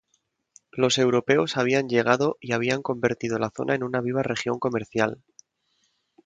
Los europeos habían llegado y habían convertido la zona en una viva región comercial.